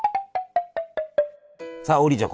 さあ王林ちゃん